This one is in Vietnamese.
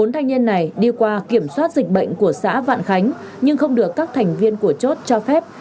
bốn thanh niên này đi qua kiểm soát dịch bệnh của xã vạn khánh nhưng không được các thành viên của chốt cho phép